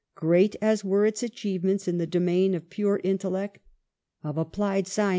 Great as were its achievements in the domain of pure intellect, of applied *C